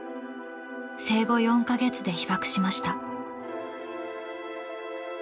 生後４カ月で被爆しました。